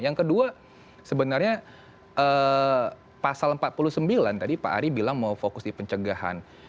yang kedua sebenarnya pasal empat puluh sembilan tadi pak ari bilang mau fokus di pencegahan